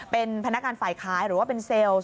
เป็นพนักงานฝ่ายขายหรือว่าเป็นเซลล์